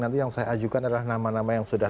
nanti yang saya ajukan adalah nama nama yang sudah